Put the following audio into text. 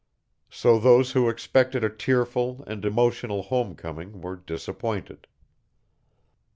So those who expected a tearful and emotional home coming were disappointed.